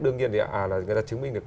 đương nhiên là người ta chứng minh được